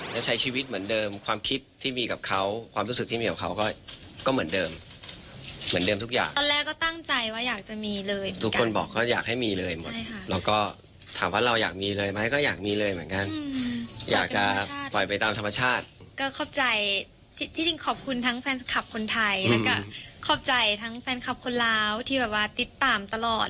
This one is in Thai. ทั้งแฟนคลับคนไทยและก็ขอบใจทั้งแฟนคลับคนราวที่ติดตามตลอด